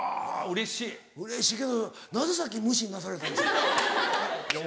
うれしいけどなぜさっき無視なされたんですか？